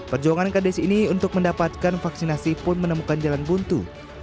perjuangan kades ini untuk mendapatkan vaksinasi pun menemukan jalan buntu